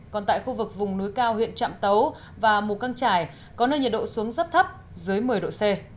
còn tại khu vực vùng núi cao huyện trạm tấu và mù căng trải có nơi nhiệt độ xuống rất thấp dưới một mươi độ c